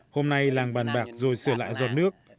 hôm nay làng bàn bạc rồi sửa lại giọt nước